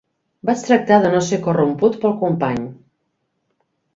Vaig tractar de no ser corromput pel company.